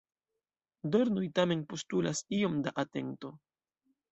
Dornoj tamen postulas iom da atento.